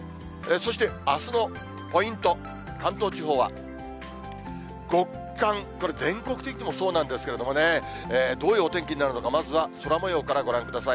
そしてあすのポイント、関東地方は、極寒、これ、全国的にもそうなんですけれどもね、どういうお天気になるのか、まずは空もようからご覧ください。